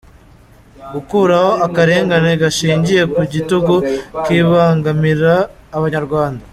· Gukuraho akarengane gashingiye ku gitugu kibangamira abanyarwanda